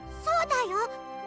そうだよ。